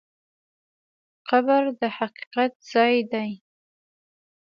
قبر د حقیقت ځای دی.